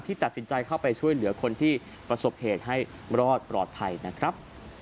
ตัดสินใจเข้าไปช่วยเหลือคนที่ประสบเหตุให้รอดปลอดภัยนะครับ